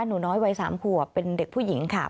หนูน้อยวัย๓ขวบเป็นเด็กผู้หญิงค่ะ